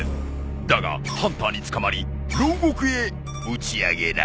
だがハンターに捕まり牢獄へうち上げられた。